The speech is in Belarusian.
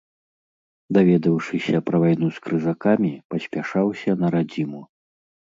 Даведаўшыся пра вайну з крыжакамі, паспяшаўся на радзіму.